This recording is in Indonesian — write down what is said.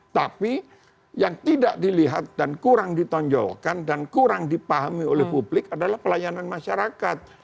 tapi yang tidak dilihat dan kurang ditonjolkan dan kurang dipahami oleh publik adalah pelayanan masyarakat